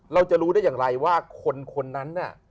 เราจะรู้ได้อย่างไรว่าคนนั้นน่ะ